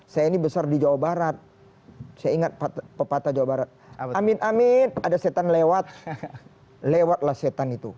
saya ini besar di jawa barat saya ingat pepatah jawa barat amin amin ada setan lewat lewat lah setan itu